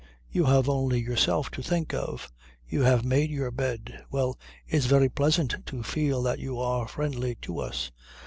You have only yourself to think of. You have made your bed. Well, it's very pleasant to feel that you are friendly to us.